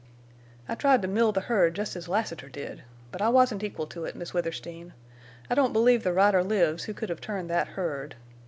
"I tried to mill the herd jest as Lassiter did. But I wasn't equal to it, Miss Withersteen. I don't believe the rider lives who could hev turned thet herd.